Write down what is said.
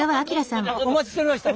お待ちしておりました！